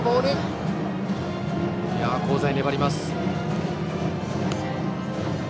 香西、粘ります。